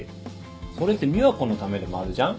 それって美和子のためでもあるじゃん？